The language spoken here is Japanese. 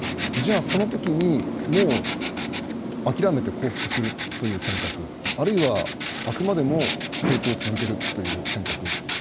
じゃあ、そのときにもう諦めて降伏するという選択あるいは、あくまでも抵抗を続けるという選択。